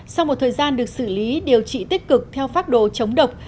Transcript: sau một thời gian được xử lý điều trị tích cực theo phác đồ chống độc